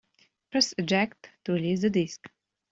Press eject to release the disk.